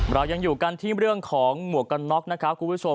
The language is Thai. เรายังอยู่กันที่เรื่องของหมวกกันน็อกนะครับคุณผู้ชม